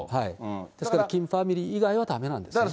ですからキムファミリーというのはだめなんですね。